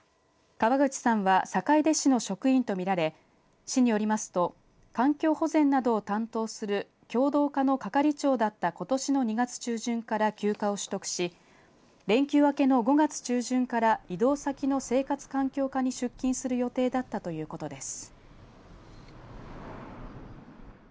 河口さんは坂出市の職員とみられ市によりますと環境保全などを担当する共同課の係長だったことしの２月中旬から休暇を取得し連休明けの５月中旬から異動先の生活環境課に出勤する予定だったということです。